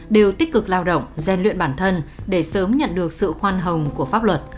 đều tích cực lao động gian luyện bản thân để sớm nhận được sự khoan hồng của pháp luật